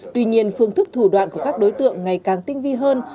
tuy nhiên phương thức thủ đoạn của các đối tượng ngày càng tinh vi hơn